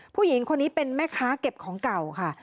ผู้หญิงคนนี้เป็นแม่ค้าเก็บของเก่าค่ะ